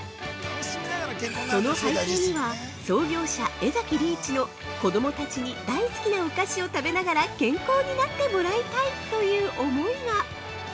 その背景には、創業者・江崎利一の子供たちに大好きなお菓子を食べながら健康になってもらいたいという思いが。